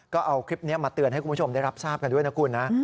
ก็เอาคลิปนี้มาเตือนให้คุณผู้ชมได้รับทราบกันด้วยนะคุณนะ